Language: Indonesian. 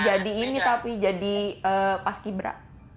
jadi ini tapi jadi pas kibra